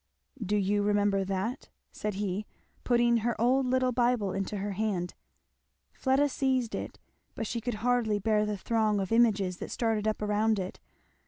"Do you remember that?" said he, putting her old little Bible into her hand. Fleda seized it, but she could hardly bear the throng of images that started up around it.